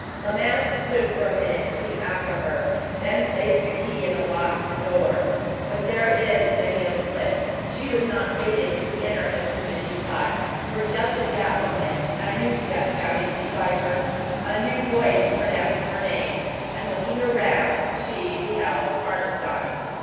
La Masque stood for a moment looking after her, and then placed a key in the lock of the door. But there is many a slip she was not fated to enter as soon as she thought; for just at that moment a new step sounded beside her, a new voice pronounced her name, and looking around, she beheld Ormiston.